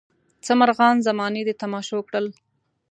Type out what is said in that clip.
څه مرغان زمانې د تماشو کړل.